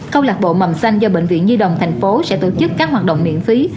câu lạc bộ mầm xanh do bệnh viện nhi đồng tp sẽ tổ chức các hoạt động miễn phí